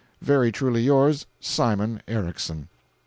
Very Truly Yours, SIMON ERICKSON.